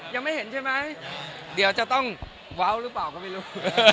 ยังไม่เห็นใช่ไหมเดี๋ยวจะต้องว้าวหรือเปล่าก็ไม่รู้